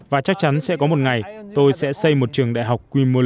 và chắc chắn sẽ có một ngày tôi sẽ xây một trường đại học quy mô lớn